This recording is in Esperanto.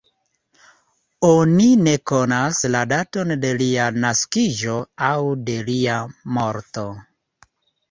Oni ne konas la daton de lia naskiĝo aŭ de lia morto.